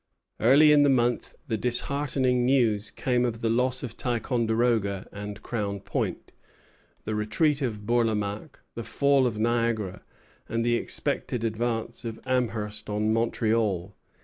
Early in the month the disheartening news came of the loss of Ticonderoga and Crown Point, the retreat of Bourlamaque, the fall of Niagara, and the expected advance of Amherst on Montreal.